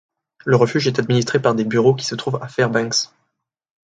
Le refuge est administré par des bureaux qui se trouvent à Fairbanks.